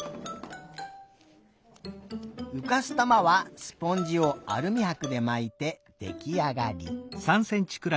うかす玉はスポンジをアルミはくでまいてできあがり。